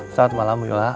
selamat malam bu yola